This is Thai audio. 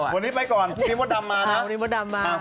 วันนี้ไปก่อนพรุ่งนี้มดดำมานะ